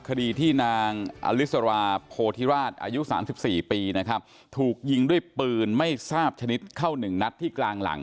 คดีที่นางอลิสราโพธิราชอายุ๓๔ปีนะครับถูกยิงด้วยปืนไม่ทราบชนิดเข้าหนึ่งนัดที่กลางหลัง